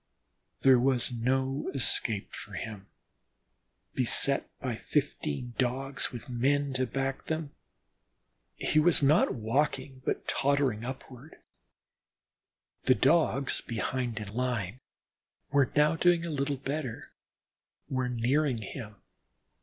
There was no escape for him, beset by fifteen Dogs with men to back them. He was not walking, but tottering upward; the Dogs behind in line, were now doing a little better, were nearing him.